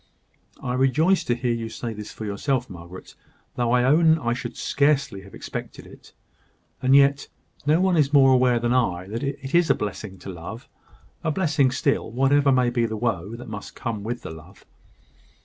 "I rejoice to hear you say this for yourself, Margaret; though I own I should scarcely have expected it. And yet no one is more aware than I that it is a blessing to love a blessing still, whatever may be the woe that must come with the love.